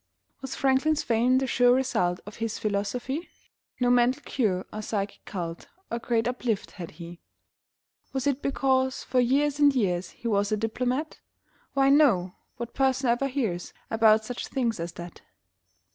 Was Franklin's fame the sure result Of his philosophy? (No mental cure or psychic cult Or Great Uplift had he.) Was it because for years and years He was a diplomat? Why, no. What person ever hears About such things as that?